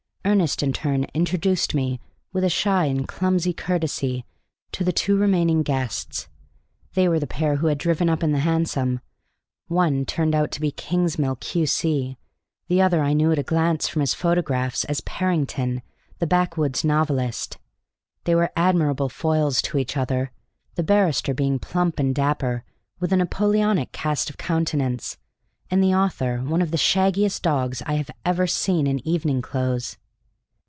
Ernest in turn introduced me, with a shy and clumsy courtesy, to the two remaining guests. They were the pair who had driven up in the hansom; one turned out to be Kingsmill, Q.C.; the other I knew at a glance from his photographs as Parrington, the backwoods novelist. They were admirable foils to each other, the barrister being plump and dapper, with a Napoleonic cast of countenance, and the author one of the shaggiest dogs I have ever seen in evening clothes.